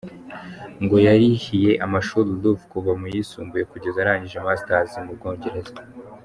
Ngo yarihiye amashuri Ruth kuva mu yisumbuye kugeza arangije Masters mu Bwongereza.